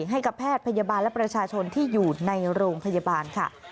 ให้กับแพทย์พยาบาลและประชาชนที่อยู่ในโรงพยาบาลค่ะ